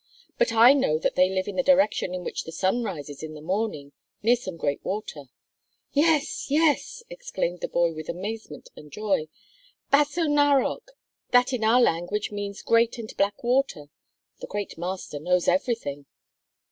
"But I know that they live in the direction in which the sun rises in the morning, near some great water." "Yes! Yes!" exclaimed the boy with amazement and joy; "Basso Narok! That in our language means, great and black water. The great master knows everything."